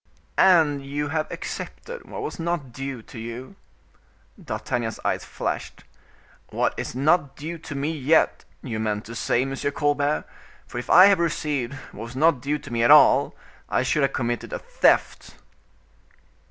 "And you have accepted what was not due to you." D'Artagnan's eyes flashed. "What is not due to me yet, you meant to say, M. Colbert; for if I have received what was not due to me at all, I should have committed a theft."